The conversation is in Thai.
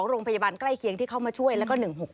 โรงพยาบาลใกล้เคียงที่เข้ามาช่วยแล้วก็๑๖๖